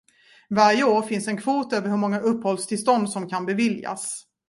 Varje år finns en kvot över hur många uppehållstillstånd som kan beviljas.